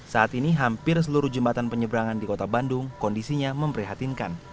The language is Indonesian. saat ini hampir seluruh jembatan penyeberangan di kota bandung kondisinya memprihatinkan